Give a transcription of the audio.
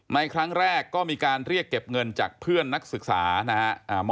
ในครั้งแรกก็มีการเรียกเก็บเงินจากเพื่อนนักศึกษานะฮะ